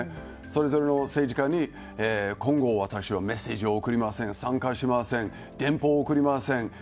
それぞれの政治家に今後、メッセージを送りません参加しません電報を送りません